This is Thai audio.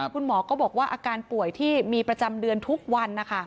คุณหมอก็บอกว่าอาการป่วยที่มีประจำเดือนทุกวันนะคะ